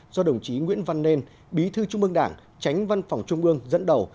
do đồng chí nguyễn văn nên bí thư trung ương đảng tránh văn phòng trung ương dẫn đầu